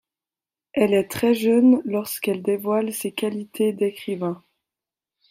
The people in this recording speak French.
Elle est très jeune lorsqu’elle dévoile ses qualités d’écrivain.